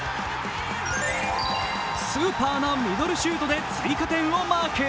スーパーなミドルシュートで追加点をマーク。